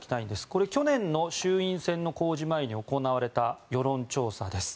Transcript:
これ、去年の衆院選の公示前に行われた世論調査です。